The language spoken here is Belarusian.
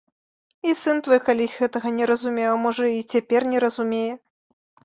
І сын твой калісь гэтага не разумеў, а можа, і цяпер не разумее.